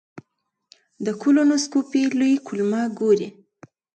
د کولونوسکوپي لوی کولمه ګوري.